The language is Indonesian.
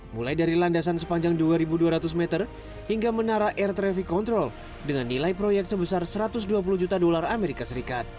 mulai dari landasan sepanjang dua dua ratus meter hingga menara air traffic control dengan nilai proyek sebesar satu ratus dua puluh juta dolar as